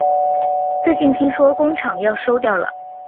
最近听说工厂要收掉了